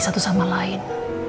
satu sama lain